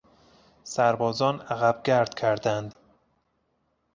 سربازان عقبگرد کردند.